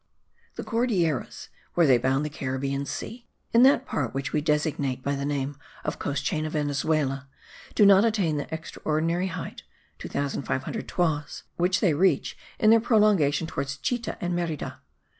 The Cordilleras, where they bound the Caribbean Sea, in that part which we designate by the name of Coast Chain of Venezuela, do not attain the extraordinary height (2500 toises) which they reach in their prolongation towards Chita and Merida.